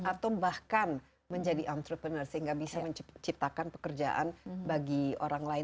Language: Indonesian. atau bahkan menjadi entrepreneur sehingga bisa menciptakan pekerjaan bagi orang lain